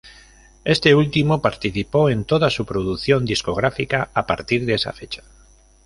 Este último participó en toda su producción discográfica a partir de esa fecha.